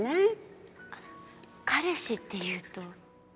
彼氏っていうと？